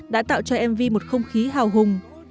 đã tạo cho mv một không khí hào hùng